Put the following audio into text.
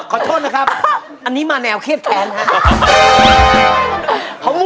ขอโทษนะครับอันนี้มาแนวเครียดแค้นครับ